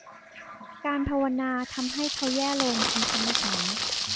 การภาวนาทำให้เขาแย่ลง คุณซัมเมอร์สัน